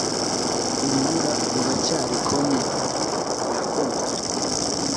urubura ruracyari comin '! byakonje